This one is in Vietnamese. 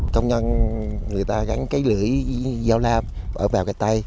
công nhân người ta gắn cái lưỡi dao lam ở vào cái tay